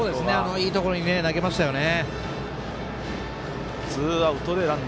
いいところに投げましたよね。